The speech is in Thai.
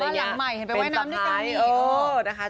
แล้วพอเห็นพี่ก้อยลองการกด